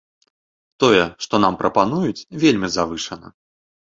Тое, што нам прапануюць, вельмі завышана.